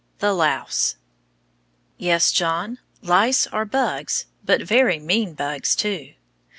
THE LOUSE Yes, John, lice are bugs, and very mean bugs too.